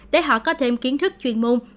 để họ có thêm kiến thức chuyên môn